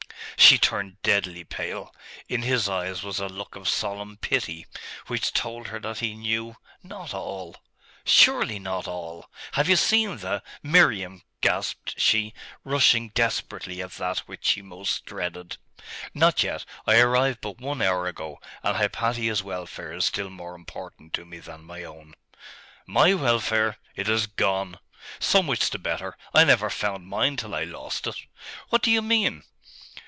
She turned deadly pale. In his eyes was a look of solemn pity, which told her that he knew not all? surely not all? 'Have you seen the Miriam?' gasped she, rushing desperately at that which she most dreaded. 'Not yet. I arrived but one hour ago; and Hypatia's welfare is still more important to me than my own.' 'My welfare? It is gone!' 'So much the better. I never found mine till I lost it.' 'What do you mean?